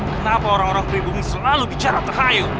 kenapa orang orang pribumi selalu bicara terhayu